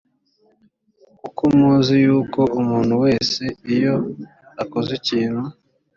kuko muzi yuko umuntu wese iyo akoze ikintu